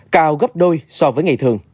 cao gấp đôi so với ngày thường